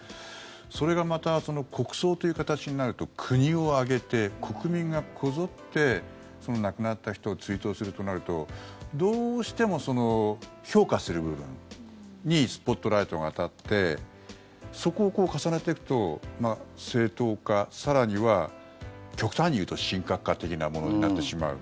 それがまた国葬という形になると国を挙げて国民がこぞってその亡くなった人を追悼するとなるとどうしても評価する部分にスポットライトが当たってそこを重ねていくと正当化更には、極端に言うと神格化的なものになってしまう。